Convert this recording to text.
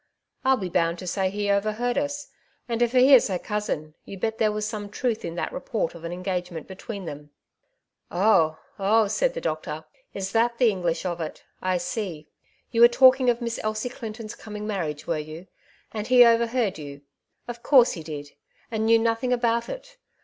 I'll be bo and to say he overheard us ; and if he is her cousin, you bet there was some truth in that report of an engagement between them." " Oh, oh !" said the doctor, " is that the English of it ? I see. You were talking of Miss Elsie Clinton's coming marriage, were you? and he overheard you. Of course he did, and knew nothing about it.